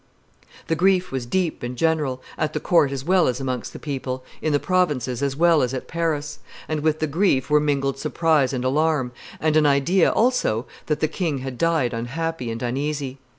The grief was deep and general, at the court as well as amongst the people, in the provinces as well as at Paris; and with the grief were mingled surprise and alarm, and an idea, also, that the king had died unhappy and uneasy.